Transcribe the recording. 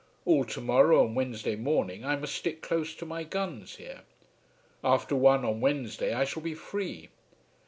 All to morrow and Wednesday morning I must stick close to my guns here. After one on Wednesday I shall be free.